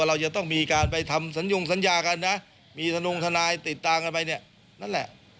เราจะต้องมีการไปทำสนุงสัญญากันมีสนุงธนายติดต่างกันไปนั่นแหละ